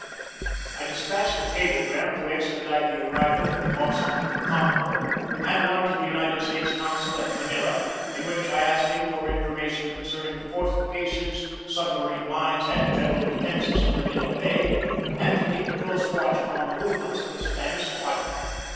I despatched a cablegram to expedite the arrival i8o GEORGE DEWEY of the Boston and the Concord and one to the United States consul at Manila, in which I asked him for information concerning the fortifications, submarine mines, and general defences of Manila Bay, and to keep a close watch upon the movements of the Spanish squadron.